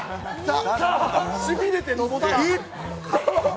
しびれて登った。